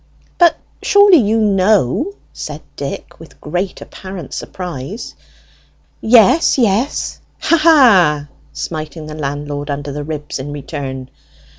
"But surely you know?" said Dick, with great apparent surprise. "Yes, yes! Ha ha!" smiting the landlord under the ribs in return.